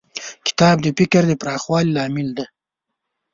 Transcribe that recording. کتاب د فکر د پراخوالي لامل دی.